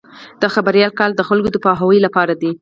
د خبریال کار د خلکو د پوهاوي لپاره دی.